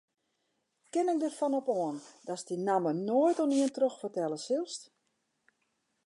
Kin ik derfan op oan datst dy namme noait oan ien trochfertelle silst?